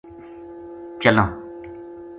چلاں